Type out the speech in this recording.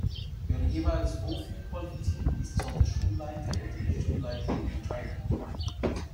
Wer jeweils wofür qualifiziert ist, soll der Schulleiter oder die Schulleiterin entscheiden.